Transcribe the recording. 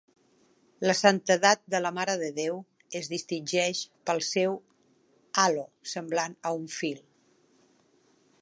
La santedat de la mare de Déu es distingeix pel seu Halo semblant a un fil.